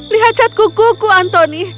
lihat cat kuku kuku anthony